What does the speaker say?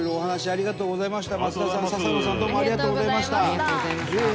ありがとうございます。